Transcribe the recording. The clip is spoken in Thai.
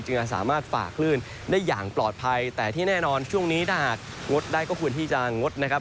จะสามารถฝากคลื่นได้อย่างปลอดภัยแต่ที่แน่นอนช่วงนี้ถ้าหากงดได้ก็ควรที่จะงดนะครับ